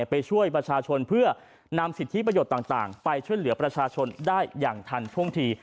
ไปช่วยประชาชนเพื่อนำสิทธิประโยชน์ต่างไปช่วยเหลือประชาชนได้อย่างทันท่วงที